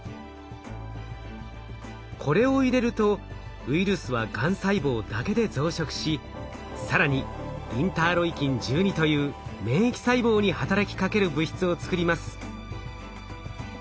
これを入れるとウイルスはがん細胞だけで増殖し更にインターロイキン１２という免疫細胞に働きかける物質を作ります。